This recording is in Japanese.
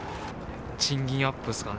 賃金アップっすかね。